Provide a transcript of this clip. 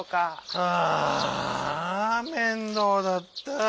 ああ面倒だった。